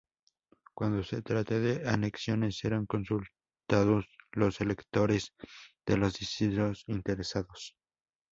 Cuando se trate de anexiones serán consultados los electores de los distritos interesados".